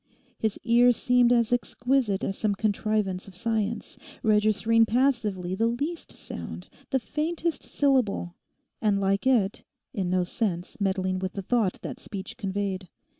His ear seemed as exquisite as some contrivance of science, registering passively the least sound, the faintest syllable, and like it, in no sense meddling with the thought that speech conveyed.